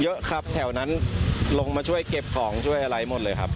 เยอะครับแถวนั้นลงมาช่วยเก็บของช่วยอะไรหมดเลยครับ